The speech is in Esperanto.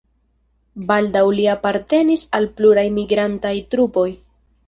Baldaŭ li apartenis al pluraj migrantaj trupoj.